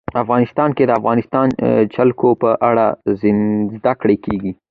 افغانستان کې د د افغانستان جلکو په اړه زده کړه کېږي.